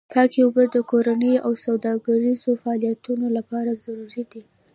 پاکې اوبه د کورنیو او سوداګریزو فعالیتونو لپاره ضروري دي.